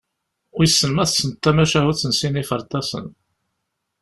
Wis ma tesneḍ tamacahut n sin yiferḍasen?